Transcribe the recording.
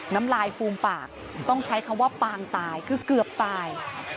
น้ำลายฟูมปากต้องใช้คำว่าปางตายคือเกือบตาย